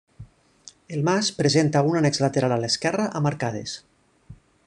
El Mas presenta un annex lateral a l'esquerra amb arcades.